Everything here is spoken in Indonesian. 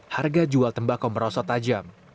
harga jual tembakau merosot tajam